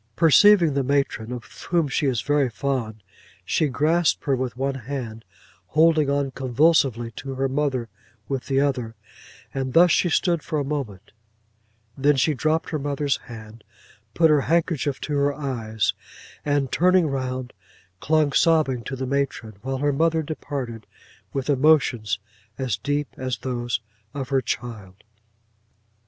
Perceiving the matron, of whom she is very fond, she grasped her with one hand, holding on convulsively to her mother with the other; and thus she stood for a moment: then she dropped her mother's hand; put her handkerchief to her eyes; and turning round, clung sobbing to the matron; while her mother departed, with emotions as deep as those of her child.